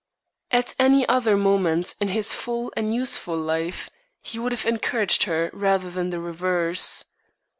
At any other moment in his full and useful life he would have encouraged her rather than the reverse.